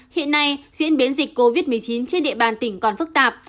hiện nay diễn biến dịch covid một mươi chín trên địa bàn tỉnh còn phức tạp